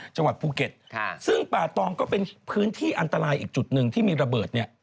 จังหวัดภูเก็ตซึ่งป่าตองก็เป็นพื้นที่อันตรายอีกจุดหนึ่งที่มีระเบิดเนี่ย